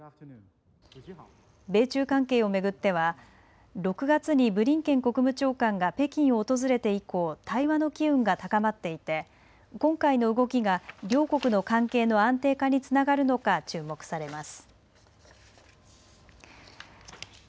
米中関係を巡っては６月にブリンケン国務長官が北京を訪れて以降、対話の機運が高まっていて今回の動きが両国の関係の安定化につながるのか注目されます。